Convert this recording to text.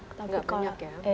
gak banyak ya